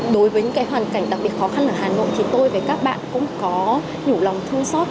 đối với những hoàn cảnh đặc biệt khó khăn ở hà nội thì tôi với các bạn cũng có nhiều lòng thương xót